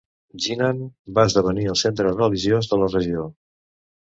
Jinan va esdevenir el centre religiós de la regió.